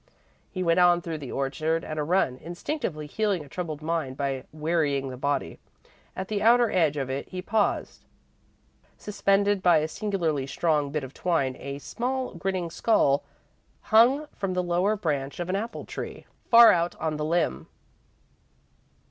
He went on through the orchard at a run, instinctively healing a troubled mind by wearying the body. At the outer edge of it, he paused. Suspended by a singularly strong bit of twine, a small, grinning skull hung from the lower branch of an apple tree, far out on the limb.